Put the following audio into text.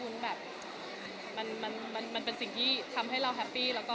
แล้วอุ้นเป็นสิ่งที่ทำให้เราฮัปปี้